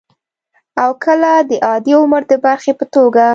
او کله د عادي عمر د برخې په توګه